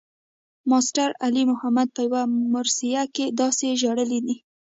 ماسټر علي محمد پۀ يو مرثيه کښې داسې ژړلے دے